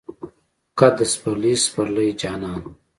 قد د سپرلی، سپرلی جانان